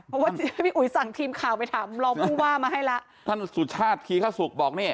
เพราะว่าจริงพี่อุ๋ยสั่งทีมข่าวไปถามรองผู้ว่ามาให้แล้วท่านสุชาติคีขศุกร์บอกนี่